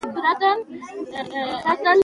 د مېلو له برکته خلک له بېلابېلو قومو سره آشنا کېږي.